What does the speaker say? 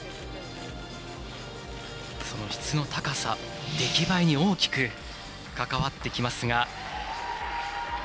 その質の高さ、出来栄えに大きく関わってきますが。